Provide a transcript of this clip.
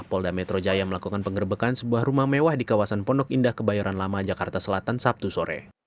polda metro jaya melakukan pengerebekan sebuah rumah mewah di kawasan pondok indah kebayoran lama jakarta selatan sabtu sore